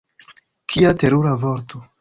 Kia terura vorto!